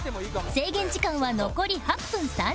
制限時間は残り８分３０秒